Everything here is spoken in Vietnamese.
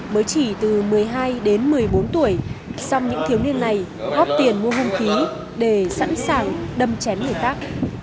mới chỉ từ một mươi hai đến một mươi bốn tuổi xong những thiếu niên này góp tiền mua hung khí để sẵn sàng đâm chén người tác